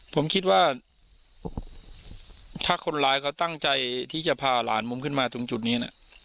ผมคิดว่าถ้าคนร้ายเขาตั้งใจที่จะพาหลานมุมขึ้นมาตรงจุดนี้นะ